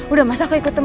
udah mas aku ikut temen